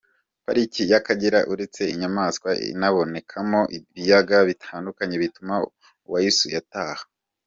Pariki y’Akagera uretse inyamaswa, inabonekamo. ibiyaga bitandukanye bituma uwayisuye ataha.